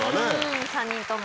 ３人とも。